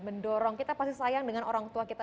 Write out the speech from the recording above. mendorong kita pasti sayang dengan orang tua kita